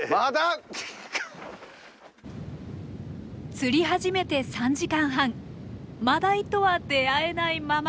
釣り始めて３時間半マダイとは出会えないまま。